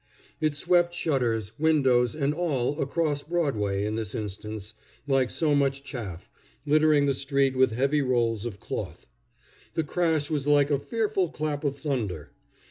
It swept shutters, windows, and all, across Broadway, in this instance, like so much chaff, littering the street with heavy rolls of cloth. The crash was like a fearful clap of thunder.